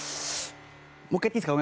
もう１回いっていいですか？